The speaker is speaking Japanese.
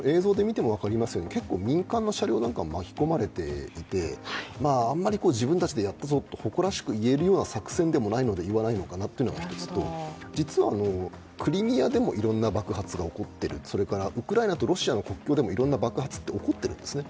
ただ、結構、民間の車両なんかも巻き込まれていてあんまり自分たちでやったぞと誇らしくいえるような作戦でもないのて言わないのが一つと実はクリミアでもいろんな爆発が起こっているのとウクライナとロシアの国境でもいろんな爆発が起こっているんですね。